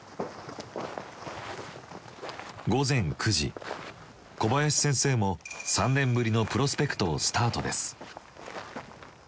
午前９時小林先生も３年ぶりのプロスペクトをスタートです。